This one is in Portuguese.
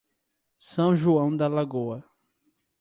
São João da Lagoa